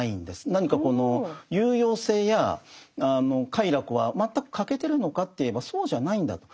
何かこの有用性や快楽は全く欠けてるのかといえばそうじゃないんだと。